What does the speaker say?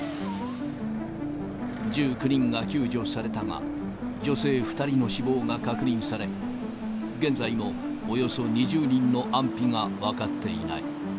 １９人が救助されたが、女性２人の死亡が確認され、現在もおよそ２０人の安否が分かっていない。